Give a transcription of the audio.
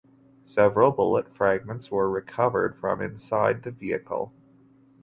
Several bullet fragments were recovered from inside the vehicle.